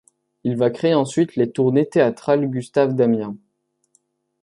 Il va créer ensuite les tournées Théâtrales Gustave Damien.